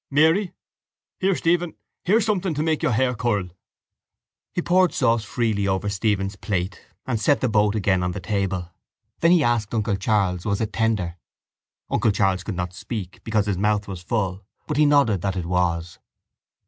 —Mary? Here, Stephen, here's something to make your hair curl. He poured sauce freely over Stephen's plate and set the boat again on the table. Then he asked uncle Charles was it tender. Uncle Charles could not speak because his mouth was full but he nodded that it was.